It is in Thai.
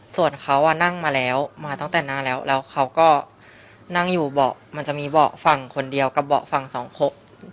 ส่วนเขานั่งมาแล้วมาตั้งแต่หน้าแล้วแล้วเขาก็นั่งอยู่เบาะมันจะมีเบาะฝั่งคนเดียวกับเบาะฝั่งสองขก